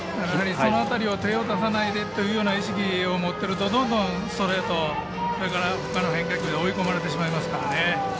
その辺りを手を出さないでという意識を持っているとどんどんストレートほかの変化球で追い込まれてしまいますからね。